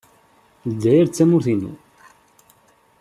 Lezzayer d tamurt-inu.